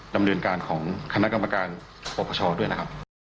ดำเนินการของคณะกรรมการปปชด้วยนะครับ